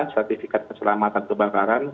satifikat keselamatan kebakaran